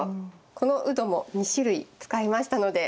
このウドも２種類使いましたので。